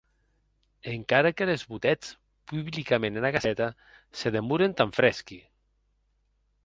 Encara que les botetz publicament ena Gaceta, se demoren tan fresqui.